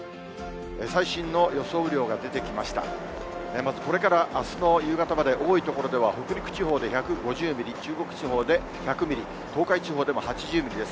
まずこれからあすの夕方まで、多い所では、北陸地方で１５０ミリ、中国地方で１００ミリ、東海地方でも８０ミリです。